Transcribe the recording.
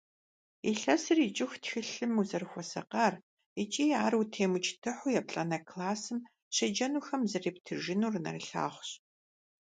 Илъэсыр икӀыху тхылъым узэрыхуэсакъар икӀи ар утемыукӀытыхьу еплӀанэ классым щеджэнухэм зэрептыжынур нэрылъагъущ.